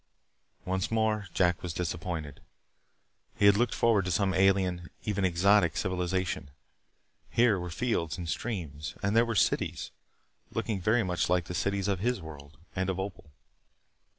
Once more, Jack was disappointed. He had looked forward to some alien even exotic civilization. Here were fields and streams. And there were cities looking very much like the cities of his world and of Opal.